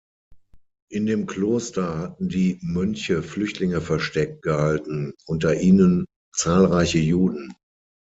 In dem Kloster hatten die Mönche Flüchtlinge versteckt gehalten, unter ihnen zahlreiche Juden.